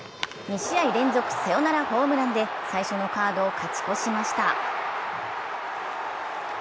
２試合連続サヨナラホームランで最初のカードを勝ち越しました。